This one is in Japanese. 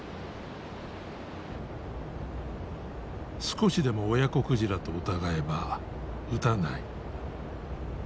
少しでも親子鯨と疑えば撃たない。